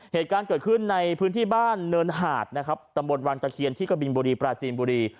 เหตุการณ์เกิดขึ้นในพื้นที่บ้านเนินหาดนะครับตำบลวังตะเคียนที่กะบินบุรีปราจีนบุรี